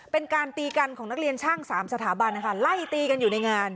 เป็นการตีกันของนักเรียนช่าง๓สถาบันนะคะไล่ตีกันอยู่ในงาน